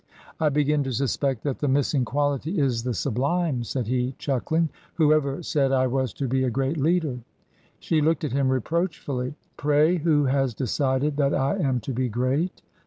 " I begin to suspect that the missing quality is the sublime !" said he, chuckling. " Whoever said I was to be a great leader ?" She looked at him reproachfully. " Pray, who has decided that I am to be great